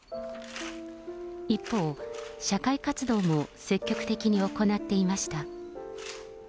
一方、社会活動も積極的に行っていました。